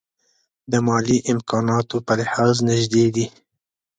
د مالي امکاناتو په لحاظ نژدې دي.